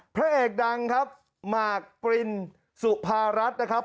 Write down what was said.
พระเอกดังครับหมากปรินสุภารัฐนะครับ